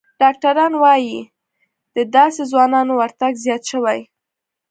ډاکتران وايي، د داسې ځوانانو ورتګ زیات شوی